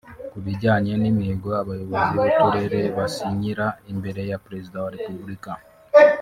Ku bijyanye n’imihigo abayobozi b’uturere basinyira imbere ya Perezida wa Repubulika